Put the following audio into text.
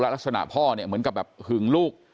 และลักษณะพ่อเหมือนกับแบบหึงลูก